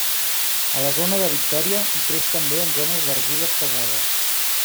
A la zona de Victòria hi creix també en zones d'argiles pesades.